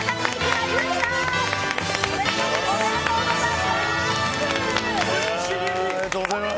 ありがとうございます。